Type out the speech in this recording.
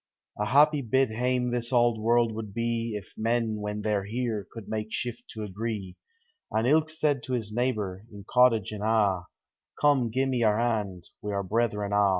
A happy bit hanie this auld world would be If men, when they 're here, could make shift to agree, An' ilk said to his neighbor, in cottage an' ha', 44 Come, gi'e me your hand, — we are brethren a'."